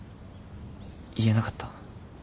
言えなかった。